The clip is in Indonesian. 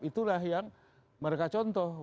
itulah yang mereka contoh